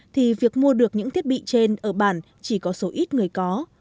thì việc mua được những thiết bị trên ở bản chỉ có số ít người có